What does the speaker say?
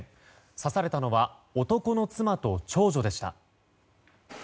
刺されたのは男の妻と長女でした。